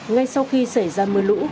ngay sau khi xảy ra mưa lũ